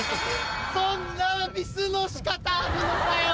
そんなミスの仕方あるのかよ。